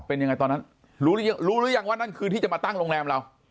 เป็นยังไงตอนนั้นรู้หรือยังรู้หรือยังว่านั่นคือที่จะมาตั้งโรงแรมเรา